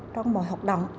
trong mọi hợp động